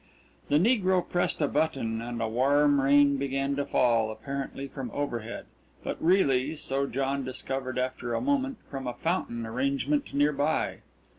The negro pressed a button and a warm rain began to fall, apparently from overhead, but really, so John discovered after a moment, from a fountain arrangement near by.